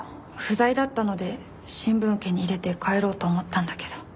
不在だったので新聞受けに入れて帰ろうと思ったんだけど。